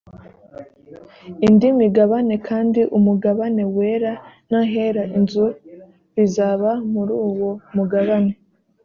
indi migabane kandi umugabane wera n ahera inzu bizaba muri uwo mugabane